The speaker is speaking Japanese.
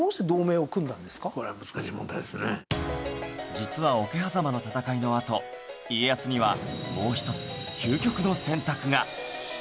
実は桶狭間の戦いのあと家康にはもう一つ究極の選択が